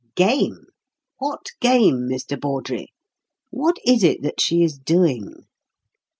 "Game! What game, Mr. Bawdrey? What is it that she is doing?"